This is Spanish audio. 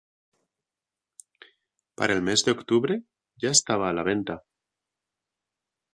Para el mes de octubre ya estaba a la venta.